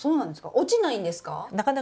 落ちないんですか？